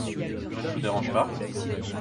Je ne vous dérange pas ?